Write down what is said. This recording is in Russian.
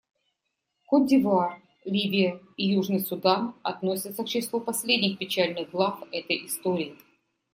Котд'Ивуар, Ливия и Южный Судан относятся к числу последних печальных глав этой истории.